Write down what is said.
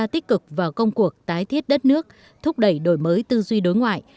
công việc và công cuộc tái thiết đất nước thúc đẩy đổi mới tư duy đối ngoại